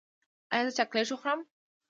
ایا زه چاکلیټ وخورم؟